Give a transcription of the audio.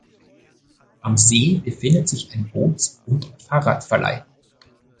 Am See befindet sich ein Boots- und Fahrradverleih.